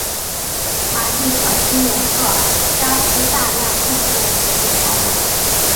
马蒂和新武特扎斯大量建筑被烧毁。